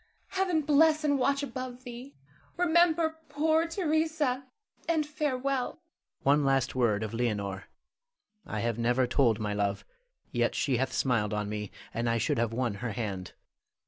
Heaven bless and watch above thee. Remember poor Theresa, and farewell. Louis. One last word of Leonore. I have never told my love, yet she hath smiled on me, and I should have won her hand.